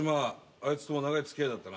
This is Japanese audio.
あいつとも長い付き合いだったな。